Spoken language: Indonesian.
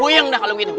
puyeng dah kalau begitu